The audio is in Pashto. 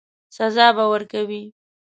سزا به ورکوي.